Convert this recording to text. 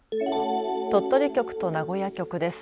鳥取局と名古屋局です。